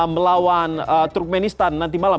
melawan turkmenistan nanti malam